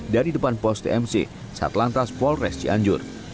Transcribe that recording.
dari depan pos tmc satlantas polres cianjur